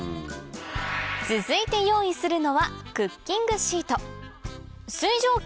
続いて用意するのはクッキングシートの上に